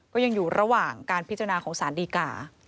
ก็ยังอยู่ระหว่างการพิจารณาของสารดีกา